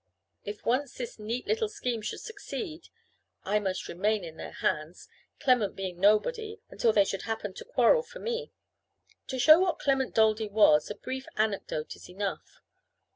If once this neat little scheme should succeed, I must remain in their hands, Clement being nobody, until they should happen to quarrel for me. To show what Clement Daldy was, a brief anecdote is enough.